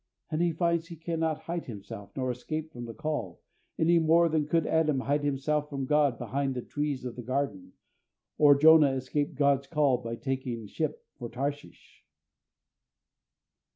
and he finds he cannot hide himself nor escape from the call, any more than could Adam hide himself from God behind the trees of the garden, or Jonah escape God's call by taking ship for Tarshish.